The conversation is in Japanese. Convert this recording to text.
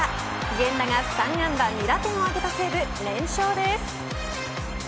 源田が３安打２打点を挙げた西武